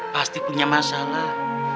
pasti punya masalah